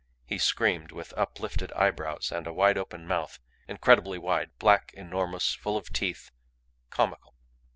He screamed with uplifted eyebrows and a wide open mouth incredibly wide, black, enormous, full of teeth comical.